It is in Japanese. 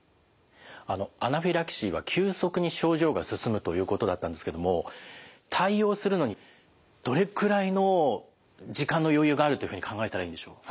あのアナフィラキシーは急速に症状が進むということだったんですけども対応するのにどれくらいの時間の余裕があるというふうに考えたらいいんでしょう？